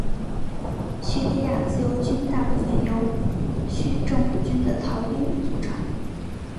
叙利亚自由军大部分由叙政府军的逃兵组成。